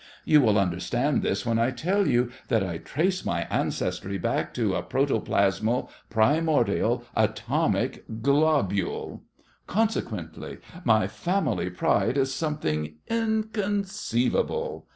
You will understand this when I tell you that I can trace my ancestry back to a protoplasmal primordial atomic globule. Consequently, my family pride is something inconceivable.